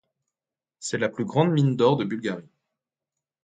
C'est la plus grande mine d'or de Bulgarie.